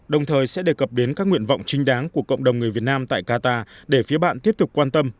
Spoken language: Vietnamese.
đồng thời sẽ đề cập đến các nguyện vọng trinh đáng của cộng đồng người việt nam tại qatar để phía bạn tiếp tục quan tâm